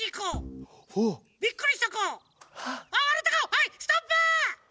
はいストップ！